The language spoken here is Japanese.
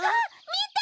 みて！